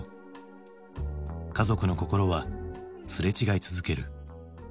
家族の心はすれ違い続ける。